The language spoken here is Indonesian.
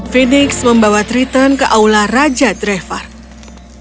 phoenix membawa belnya ke kota tempat dia mendengar belnya